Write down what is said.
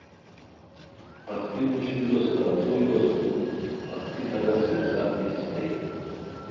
پختی مشکلو سورا تروئے لوسنوک۔ پختی خلاص ہوئے ځاہ بہچیتائے۔